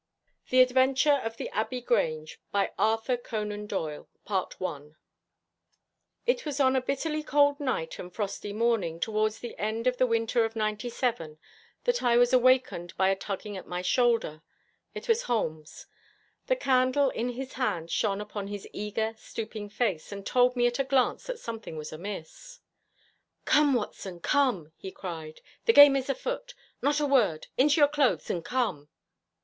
THE ADVENTURE OF THE ABBEY GRANGE By Arthur Conan Doyle (The Strand Magazine, 23 January 1897) It was on a bitterly cold night and frosty morning, towards the end of the winter of '97, that I was awakened by a tugging at my shoulder. It was Holmes. The candle in his hand shone upon his eager, stooping face, and told me at a glance that something was amiss. 'Come, Watson, come!' he cried. The game is afoot. Not a word! Into your clothes and come!'